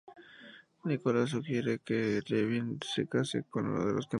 Nikolai sugiere que Levin se case con uno de los campesinos de su finca.